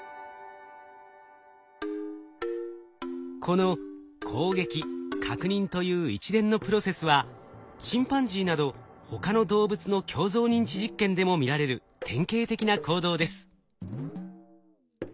この攻撃確認という一連のプロセスはチンパンジーなど他の動物の鏡像認知実験でも見られる典型的な行動です。